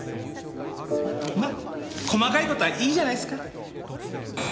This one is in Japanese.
ま細かい事はいいじゃないっすか。